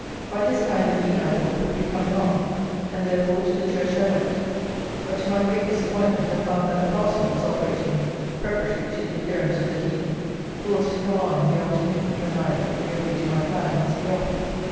By this time the Dean, I thought, would be coming on; and, therefore, to the church I went; but to my great disappointment I found that the parson was operating preparatory to the appearance of the Dean, who was to come on in the afternoon, when I, agreeably to my plan, must be off.